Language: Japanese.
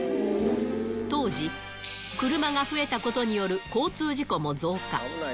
当時、車が増えたことによる交通事故も増加。